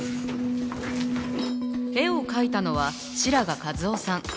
絵を描いたのは白髪一雄さん。